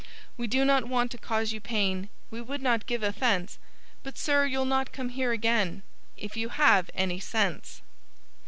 We do not want to cause you pain. We would not give offense But, sir, you'll not come here again If you have any sense.